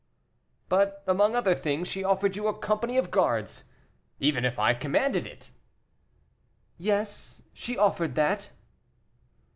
"But, among other things, she offered you a company of guards, even if I commanded it." "Yes, she offered that."